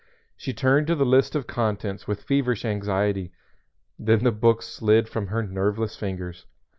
She turned to the list of "Contents" with feverish anxiety, then the book slid from her nerveless fingers.